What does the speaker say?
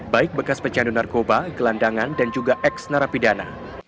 baik bekas pecandu narkoba gelandangan dan juga ex narapidana